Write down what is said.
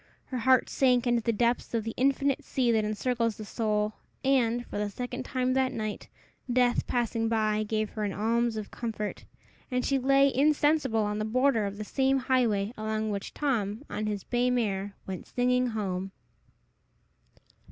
Her heart sank into the depths of the infinite sea that encircles the soul, and, for the second time that night, Death passing by gave her an alms of comfort, and she lay insensible on the border of the same highway along which Tom, on his bay mare, went singing home.